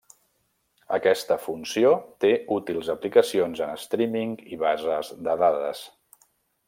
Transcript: Aquesta funció té útils aplicacions en streaming i bases de dades.